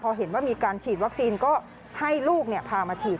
พอเห็นว่ามีการฉีดวัคซีนก็ให้ลูกพามาฉีด